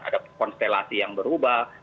ada konstelasi yang berubah